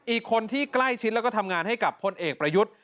อีกคนที่ใกล้ชิดแล้วก็ทำงานให้กับพลเอกประยุทธ์